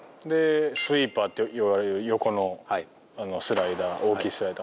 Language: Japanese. スイーパーと呼ばれる横のスライダー大きいスライダー。